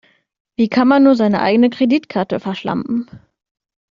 Wie kann man nur seine eigene Kreditkarte verschlampen?